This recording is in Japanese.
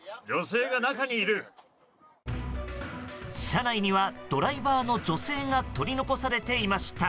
車内にはドライバーの女性が取り残されていました。